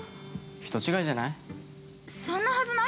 人違いじゃない？